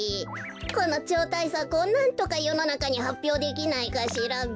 このちょうたいさくをなんとかよのなかにはっぴょうできないかしらべ。